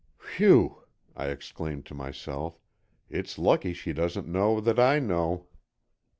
"Whew!" I exclaimed to myself, "it's lucky she doesn't know that I know!"